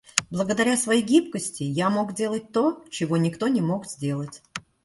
Благодаря своей гибкости, я мог делать то, чего никто не мог сделать.